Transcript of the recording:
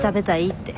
って。